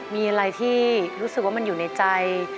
มีอะไรที่รู้สึกว่ามันอยู่ในใจ